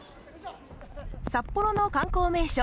札幌の観光名所